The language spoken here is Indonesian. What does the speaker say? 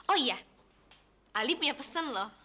oh iya ali punya pesan loh